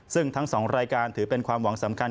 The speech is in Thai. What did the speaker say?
ซึ่งทั้ง๒รายการถือเป็นความหวังสำคัญ